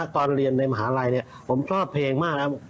ตอนเรียนในมหาลัยผมชอบเพลงมากแล้ว